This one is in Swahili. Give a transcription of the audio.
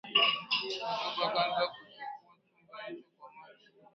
Jacob akaanza kupekua chumba hicho kwa macho